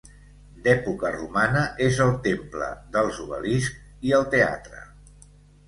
D'època romana, és el temple dels Obeliscs i el teatre.